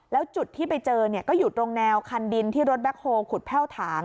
แล้วจุดที่ไปเจอเนี่ยก็อยู่ตรงแนวคันดินที่รถแบ็คโฮลขุดแพ่วถาง